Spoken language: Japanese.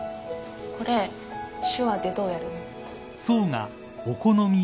これ手話でどうやるの？